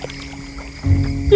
kau terlihat sedih